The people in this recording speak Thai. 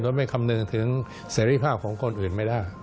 โดยไม่คำนึงถึงเสรีภาพของคนอื่นไม่ได้